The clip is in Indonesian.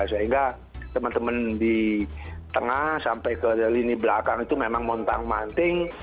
sehingga teman teman di tengah sampai ke lini belakang itu memang montang manting